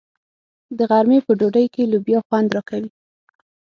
د غرمې په ډوډۍ کې لوبیا خوند راکوي.